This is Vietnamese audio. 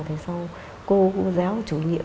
thì sau cô cũng giáo chủ nhiệm